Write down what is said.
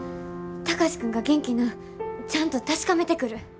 貴司君が元気なんちゃんと確かめてくる。